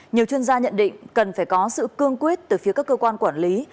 nhiều chuyên gia nhận định cần phải có sự cương quyết từ phía các cơ quan quản lý